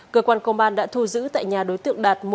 cơ quan công an đã thu giữ tại nhà đối tượng đạt